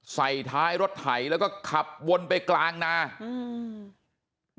ใส่ท้ายรถไถแล้วก็ขับวนไปกลางนาอืม